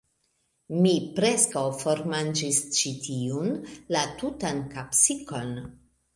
Mi preskaŭ formanĝis ĉi tiun, la tutan kapsikon.